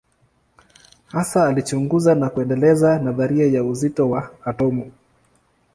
Hasa alichunguza na kuendeleza nadharia ya uzito wa atomu.